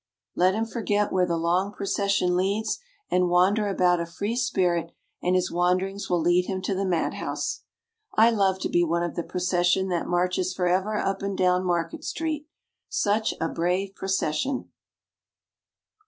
Let him forget where the long procession leads and wander about a free spirit and his wanderings will lead him to the madhouse. I love to be one of the procession that marches forever up and down Market street, such a brave procession.